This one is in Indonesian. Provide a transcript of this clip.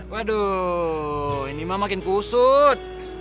waduh ini mah makin kusut